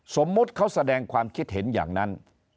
สมมุติเขาแสดงความคิดเห็นอย่างนั้น